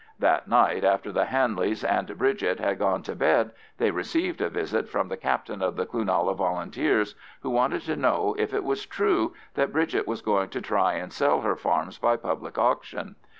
That night after the Hanleys and Bridget had gone to bed they received a visit from the captain of the Cloonalla Volunteers, who wanted to know if it was true that Bridget was going to try and sell her farms by public auction.